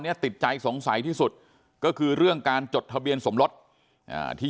ติดใจสงสัยที่สุดก็คือเรื่องการจดทะเบียนสมรสอ่าที่